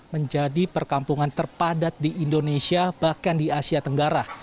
menjadi perkampungan terpadat di indonesia bahkan di asia tenggara